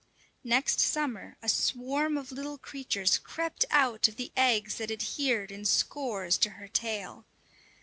Next summer a swarm of little creatures crept out of the eggs that adhered in scores to her tail.